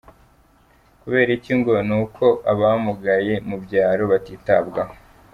kubera iki? Ngo ni uko abamugaye bo mu byaro batitabwaho.